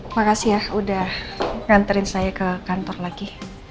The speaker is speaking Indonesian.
makasih ya udah nganterin saya ke kantor lagi